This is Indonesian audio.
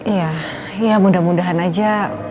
iya ya mudah mudahan aja